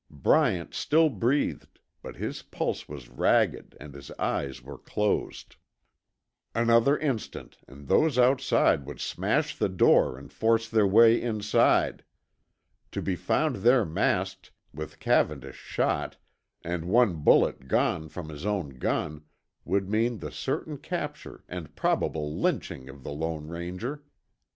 Bryant still breathed, but his pulse was ragged and his eyes were closed. Another instant and those outside would smash the door and force their way inside. To be found there masked, with Cavendish shot, and one bullet gone from his own gun, would mean the certain capture and probable lynching of the Lone Ranger.